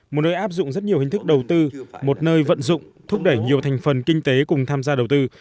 một nơi áp dụng rất nhiều hình thức đầu tư một nơi vận dụng thúc đẩy nhiều thành phần kinh tế cùng tham gia đầu tư